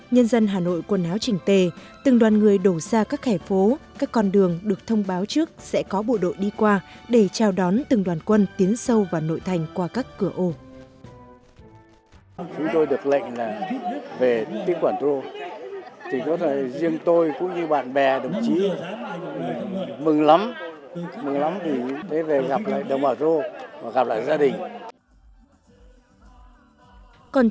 nhân dân hà nội quần áo trình tề từng đoàn người đổ ra các khẻ phố các con đường được thông báo trước sẽ có bộ đội đi qua để trao đón từng đoàn quân tiến sâu vào nội thành qua các cửa ổ